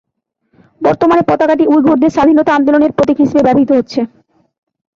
বর্তমানে পতাকাটি উইঘুরদের স্বাধীনতা আন্দোলনের প্রতীক হিসেবে ব্যবহৃত হচ্ছে।